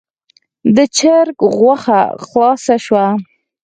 د چرګ غوښه خلاصه شوه.